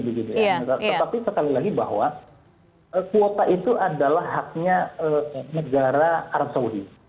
tetapi sekali lagi bahwa kuota itu adalah haknya negara arab saudi